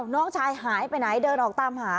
น้องชายหายไปไหนเดินออกตามหา